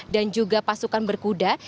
dan juga pasukan berkuda